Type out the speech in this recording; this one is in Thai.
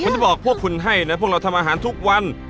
จะบอกพวกคุณให้นะพวกเราทำอาหารทุกวัน